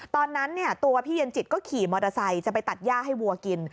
ตอนนั้นตัวพี่เย็นจิตก็ขี่มอเตอร์ไซค์จะไปตัดย่าให้วัวกิน